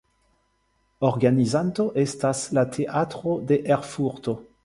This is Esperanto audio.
Organizanto estas la Teatro de Erfurto.